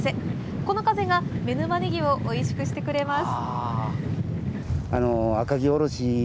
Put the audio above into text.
この風が、妻沼ねぎをおいしくしてくれます。